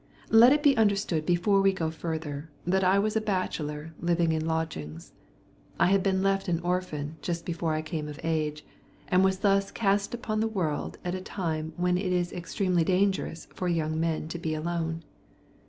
Let it be understood before we go further that I was a bachelor living in lodgings. I had been left an orphan just before I came of age, and was thus cast upon the world at a time when it is extremely dangerous for young men to be alone.